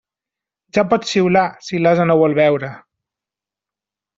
Ja pots xiular, si l'ase no vol beure.